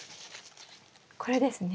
これですね？